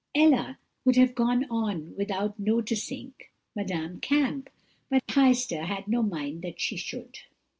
"Ella would have gone on without noticing Madame Kamp, but Heister had no mind that she should.